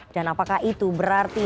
dan apakah itu berarti